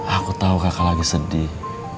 aku tahu kakak lagi sedih